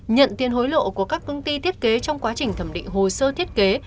nhận tiền hối lộ của các công ty thiết kế trong quá trình thẩm định hồ sơ thiết kế